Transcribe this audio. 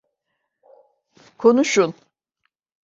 Konuşun!